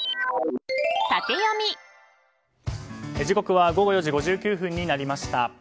時刻は午後４時５９分になりました。